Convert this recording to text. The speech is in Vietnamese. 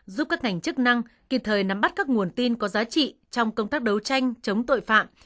giúp các ngành chức năng kịp thời nắm bắt các nguồn tin có giá trị trong công tác đấu tranh chống tội phạm